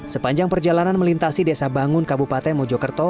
sepanjang perjalanan melintasi desa bangun kabupaten mojokerto